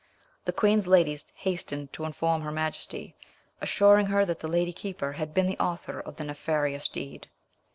The queen's ladies hastened to inform her majesty, assuring her that the lady keeper had been the author of the nefarious deed.